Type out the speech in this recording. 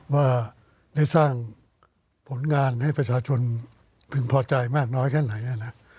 ว่าได้สร้างผลงานให้ประชาชนพึงพอใจมากน้อยแค่ไหนนะ